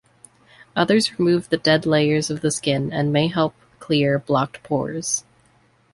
Others remove the dead layers of the skin and may help clear blocked pores.